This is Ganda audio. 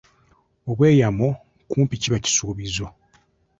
Obweyamo kumpi kiba kisuubizo.